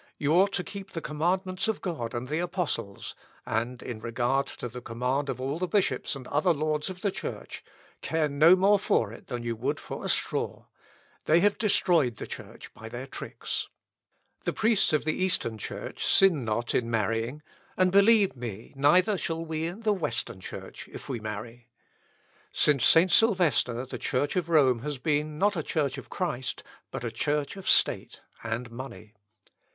You ought to keep the commandments of God and the Apostles; and, in regard to the command of all the bishops and other lords of the Church, care no more for it than you would for a straw; they have destroyed the Church by their tricks. The priests of the Eastern Church sin not in marrying; and, believe me, neither shall we in the Western Church if we marry. Since St. Sylvester the Church of Rome has been, not a church of Christ, but a church of State and money.